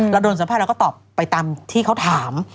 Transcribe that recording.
เราโดนสัมภาษณ์เราก็ตอบไปตามที่เขาถาม